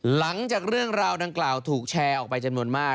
หลังจากเรื่องราวดังกล่าวถูกแชร์ออกไปจำนวนมาก